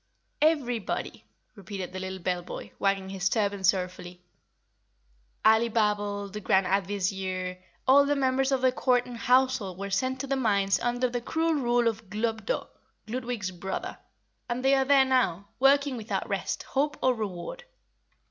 "Every EV body!" repeated the little bell boy, wagging his turban sorrowfully. "Alibabble, the Grand Advizier, all the members of the court and household were sent to the mines under the cruel rule of Glubdo, Gludwig's brother, and they are there now, working without rest, hope or reward.